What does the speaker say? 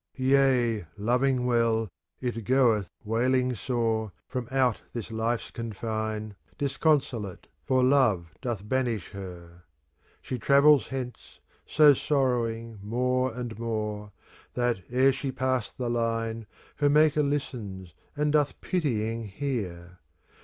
39 CANZONIERE Yea, loving well, it goeth wailing sore, From out this life's confine, ^ Disconsolate, for Love doth banish her. She travels hence, so sorrowing more and more, That, ere she pass the line. Her Maker listens and doth pitying hear.